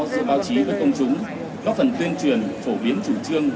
giữa báo chí với công chúng góp phần tuyên truyền phổ biến chủ trương